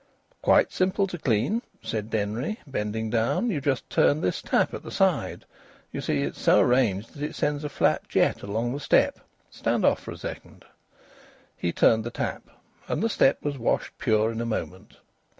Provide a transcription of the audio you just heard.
"Quite simple to clean," said Denry, bending down. "You just turn this tap at the side. You see, it's so arranged that it sends a flat jet along the step. Stand off a second." He turned the tap, and the step was washed pure in a moment.